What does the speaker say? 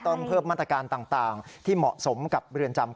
เพิ่มมาตรการต่างที่เหมาะสมกับเรือนจำ